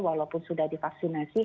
walaupun sudah divaksinasi